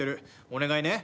お願いね。